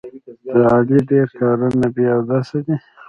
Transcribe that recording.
د علي ډېر کارونه بې اودسه دي.